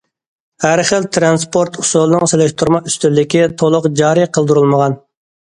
ھەر خىل تىرانسپورت ئۇسۇلىنىڭ سېلىشتۇرما ئۈستۈنلۈكى تولۇق جارى قىلدۇرۇلمىغان.